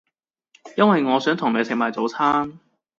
因為我想同你食埋早餐